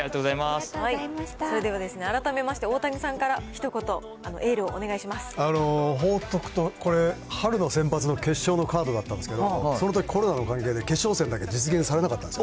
それでは改めまして、大谷さんからひと言、エールをお願いし報徳と、これ、春の選抜の決勝のカードだったんですけど、そのとき、コロナの関係で、決勝戦だけ実現されなかったんです。